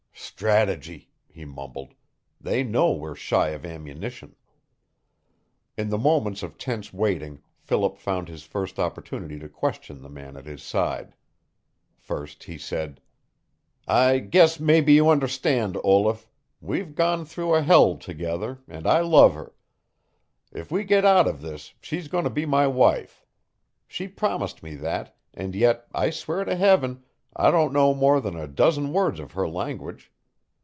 "Strategy," he mumbled. "They know we're shy of ammunition." In the moments of tense waiting Philip found his first opportunity to question the man at his side. First, he said: "I guess mebby you understand, Olaf. We've gone through a hell together, and I love her. If we get out of this she's going to be my wife. She's promised me that, and yet I swear to Heaven I don't know more than a dozen words of her language.